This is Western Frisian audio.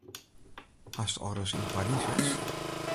Hast al ris yn Parys west?